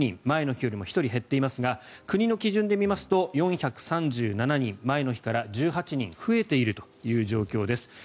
前の日よりも１人減っていますが国の基準で見ますと４３７人前の日から１８人増えているという状況です。